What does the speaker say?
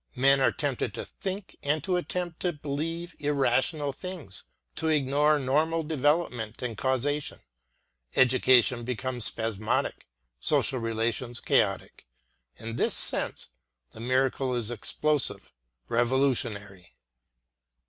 Men are tempted to think and to attempt to believe irrational things, to ignore normal develop ment and causation. Education becomes spasmodic, social relations chaotic. In this sense, the miracle is explosive, revolutionary.